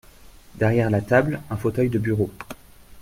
Derrière la table, un fauteuil de bureau.